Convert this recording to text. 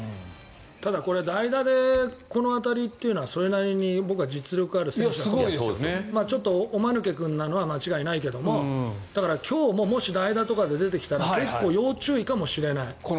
ただ、代打でこの当たりはそれなりに実力のある選手でちょっと、おまぬけ君なのは間違いないけどだから、今日ももし代打とかで出てきたら要注意かもしれない。